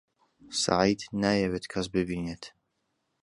سەعید نایەوێت کەس ببینێت.